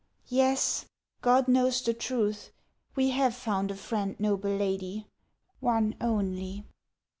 " Yes. God knows the truth, we have found a friend, noble lady, — one only